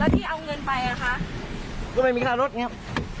แล้วที่เอาเงินไปอะคะก็ไม่มีค่ารสนะครับ